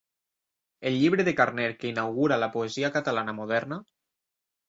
«El llibre de Carner que inaugura la poesia catalana moderna».